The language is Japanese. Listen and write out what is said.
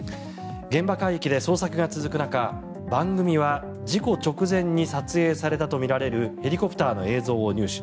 現場海域で捜索が続く中、番組は事故直前に撮影されたとみられるヘリコプターの映像を入手。